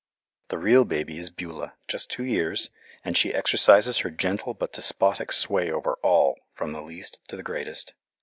The real baby is Beulah, just two years, and she exercises her gentle but despotic sway over all, from the least to the greatest.